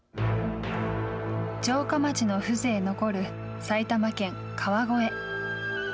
城下町の風情残る埼玉県川越。